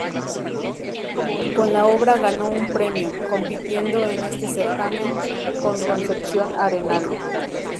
Con la obra ganó un premio, compitiendo en este certamen con Concepción Arenal.